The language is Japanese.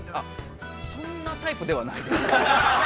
◆そんなタイプではないです。